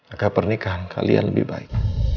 agar pernikahan kalian lebih baik